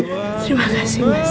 terima kasih mas